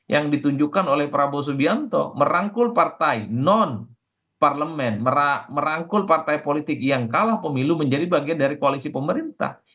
yang ditunjukkan oleh prabowo subianto merangkul partai non parlemen merangkul partai politik yang kalah pemilu menjadi bagian dari koalisi pemerintah